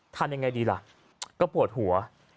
ทำยังไงดีล่ะก็ปวดหัว